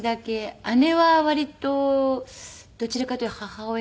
姉は割とどちらかというと母親似。